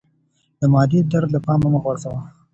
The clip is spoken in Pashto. د معدې درد له پامه مه غورځوه